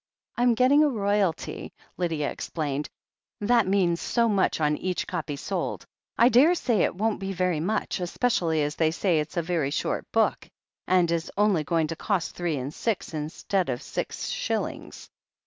I'm getting a royalty," Lydia explained. "That means so much on each copy sold. I daresay it won't be very much, especially as they say it's a very short book, and is only going to cost three and six instead of six shillings.